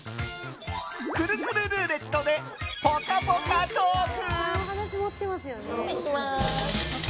くるくるルーレットでぽかぽかトーク！